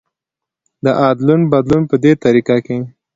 د ادلون بدلون په دې طريقه کې